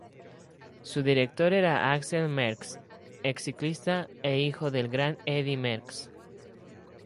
Su director era Axel Merckx, exciclista e hijo del gran Eddy Merckx.